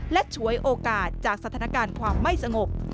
และฉวยโอกาสจากสถานการณ์ความไม่สงบ